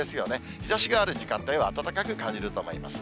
日ざしがある時間帯は暖かく感じると思います。